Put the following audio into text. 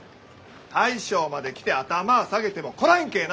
大将まで来て頭ぁ下げてもこらえんけえな！